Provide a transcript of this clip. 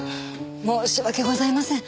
申し訳ございません。